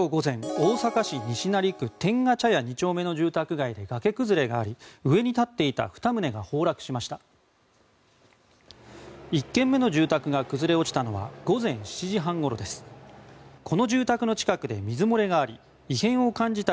大阪市西成区天下茶屋２丁目の住宅街で崖崩れがあり上に建っていた２棟が崩落しました。